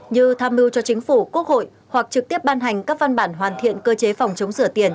như tham mưu cho chính phủ quốc hội hoặc trực tiếp ban hành các văn bản hoàn thiện cơ chế phòng chống sửa tiền